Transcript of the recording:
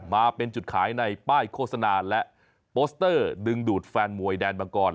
มาเป็นจุดขายในป้ายโฆษณาและโปสเตอร์ดึงดูดแฟนมวยแดนมังกร